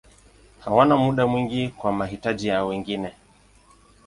Hawana muda mwingi kwa mahitaji ya wengine.